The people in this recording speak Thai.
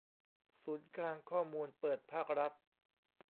ศูนย์กลางข้อมูลเปิดภาครัฐ